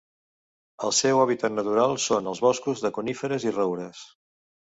El seu hàbitat natural són els boscos de coníferes i roures.